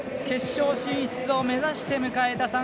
決勝進出を目指して迎えた